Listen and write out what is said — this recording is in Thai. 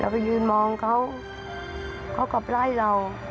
เราไปยืนมองเขาเขาก็กลับได้เรา